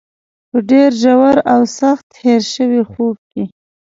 په ډېر ژور او سخت هېر شوي خوب کې.